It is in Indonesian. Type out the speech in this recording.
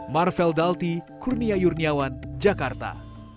marvel dalti kurnia yurniawan jakarta